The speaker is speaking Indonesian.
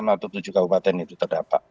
atau tujuh kabupaten itu terdampak